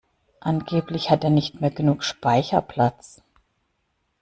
Angeblich hat er nicht mehr genug Speicherplatz.